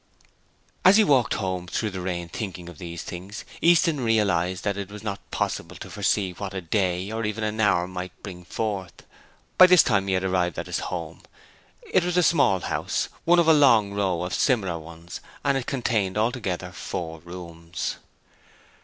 As he walked home through the rain thinking of these things, Easton realized that it was not possible to foresee what a day or even an hour might bring forth. By this time he had arrived at his home; it was a small house, one of a long row of similar ones, and it contained altogether four rooms.